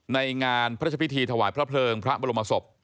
ในงานพระราชพิธีถวายพระเพลิงพระบรมศพ